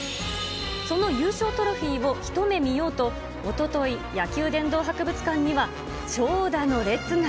その優勝トロフィーを一目見ようと、おととい、野球殿堂博物館には長蛇の列が。